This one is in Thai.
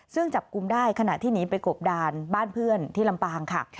ซึ่งจับกลุ่มได้ขณะที่หนีไปกบดานบ้านเพื่อนที่ลำปางค่ะ